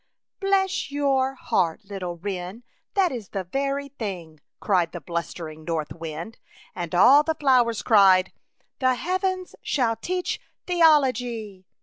" "Bless your heart, little wren, that is the very thing," cried the bluster ing north wind. And all the flowers cried, —" The heavens shall teach theology I " 54 ^ Chautauqua Idyl.